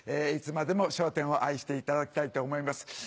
いつまでも『笑点』を愛していただきたいと思います。